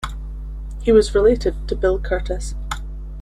He was related to Bill Kurtis.